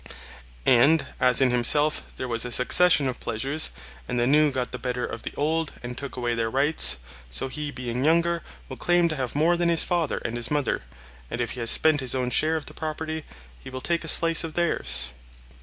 And as in himself there was a succession of pleasures, and the new got the better of the old and took away their rights, so he being younger will claim to have more than his father and his mother, and if he has spent his own share of the property, he will take a slice of theirs.